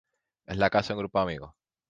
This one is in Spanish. Es la casa de un grupo de amigos.